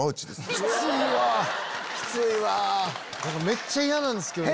めっちゃ嫌なんですけど。